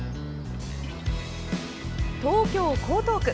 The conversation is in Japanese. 東京・江東区。